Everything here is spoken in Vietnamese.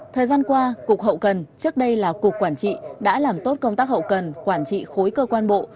thời gian qua cục hậu cần trước đây là cục quản trị đã làm tốt công tác hậu cần quản trị khối cơ quan bộ